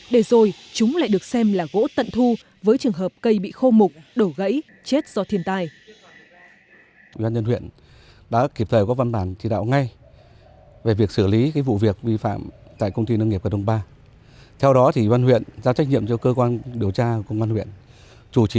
để rồi chúng lại được xem là gỗ tận thu với trường hợp cây bị khô mục đổ gãy chết do thiên tai